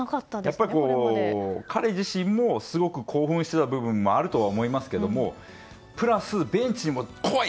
やっぱり、彼自身もすごく興奮していた部分もあるとは思いますけどプラス、ベンチにも来い！